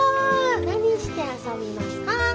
何して遊びますか？